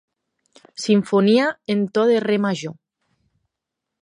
Simfonia en to de re major.